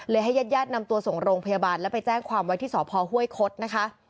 เลยให้ยัดนำตัวส่งโรงพยาบาลแล้วไปแจ้งความว่าที่สภห้วยคดนะคะ